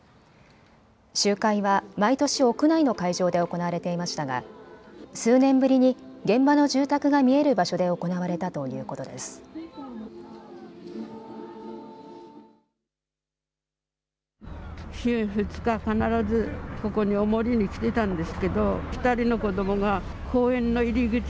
集会は毎年、屋内の会場で行われていましたが、数年ぶりに現場の住宅が見える場所で行われたということです。